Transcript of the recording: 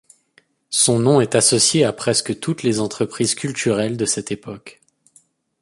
Son nom est associé à presque toutes les entreprises culturelles de cette époque.